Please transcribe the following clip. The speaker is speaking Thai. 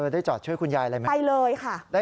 ได้จอดช่วยคุณยายอะไรไหมไปเลยค่ะ